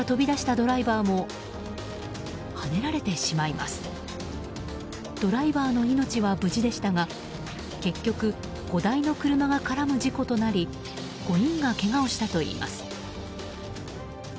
ドライバーの命は無事でしたが結局５台の車が絡む事故となり５人がけがをしたといいます。